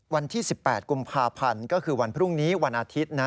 วันที่๑๘กุมภาพันธ์ก็คือวันพรุ่งนี้วันอาทิตย์